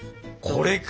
これか！